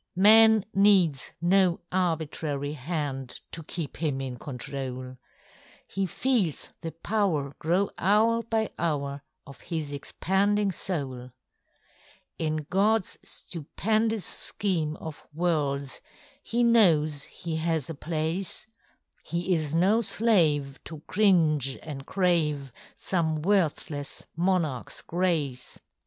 Man needs no arbitrary hand To keep him in control; He feels the power grow hour by hour Of his expanding soul: In GodŌĆÖs stupendous scheme of worlds He knows he has a place; He is no slave to cringe, and crave Some worthless monarchŌĆÖs grace.